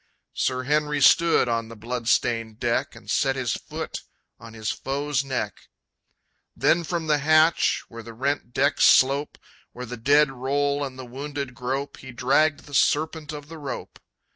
Sir Henry stood on the blood stained deck, And set his foot on his foe's neck. Then from the hatch, where the rent decks slope, Where the dead roll and the wounded grope, He dragged the serpent of the rope.